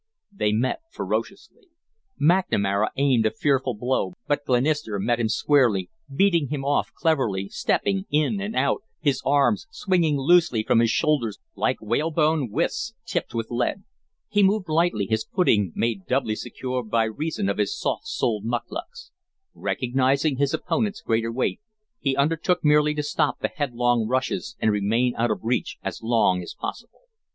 They met ferociously. McNamara aimed a fearful blow, but Glenister met him squarely, beating him off cleverly, stepping in and out, his arms swinging loosely from his shoulders like whalebone withes tipped with lead. He moved lightly, his footing made doubly secure by reason of his soft soled mukluks. Recognizing his opponent's greater weight, he undertook merely to stop the headlong rushes and remain out of reach as long as possible.